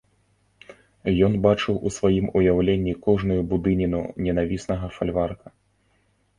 Ён бачыў у сваім уяўленні кожную будыніну ненавіснага фальварка.